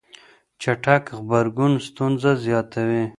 چټک غبرګون ستونزه زياتوي.